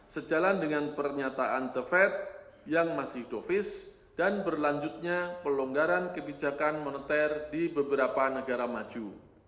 sejalan dengan pernyataan the fed yang masih dovis dan berlanjutnya pelonggaran kebijakan moneter di beberapa negara maju